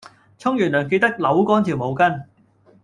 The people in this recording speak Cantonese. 沖完涼記得扭乾條毛巾